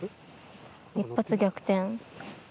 一発逆転。